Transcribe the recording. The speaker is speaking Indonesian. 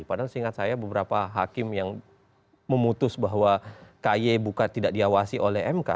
padahal seingat saya beberapa hakim yang memutus bahwa kaye bukan tidak diawasi oleh mk